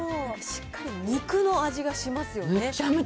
しっかり肉の味がしますよね。